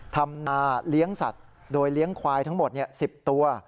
ทำนาเลี้ยงสัตว์โดยเลี้ยงควายทั้งหมด๑๐ตัว